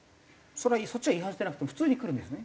そっちは違反していなくても普通に来るんですね？